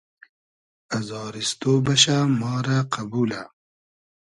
ازاریستۉ بئشۂ ما رۂ قئبولۂ